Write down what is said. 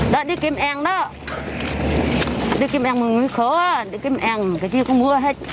đi kiếm em đó đi kiếm em mình mới khó đi kiếm em cái gì cũng mua hết